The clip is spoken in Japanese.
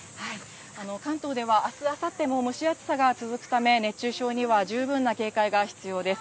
関東では、あす、あさっても蒸し暑さが続くため、熱中症には十分な警戒が必要です。